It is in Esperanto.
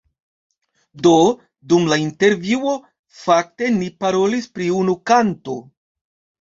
Do, dum la intervjuo; fakte ni parolis pri unu kanto